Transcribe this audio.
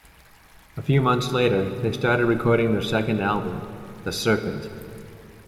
A few months later they started recording their second album, "The Serpent".